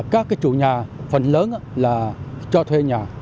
các chủ nhà phần lớn là cho thuê nhà